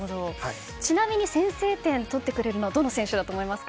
ちなみに先制点を取るのはどの選手だと思いますか？